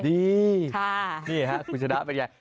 ดีนี่ฮะวิชดะเป็นอย่าง